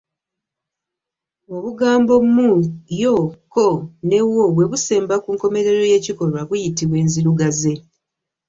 Obugambo mu yo ko ne wo bwe busemba ku nkomerero y’ekikolwa buyitibwa enzirugaze.